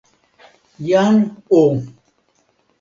jan o!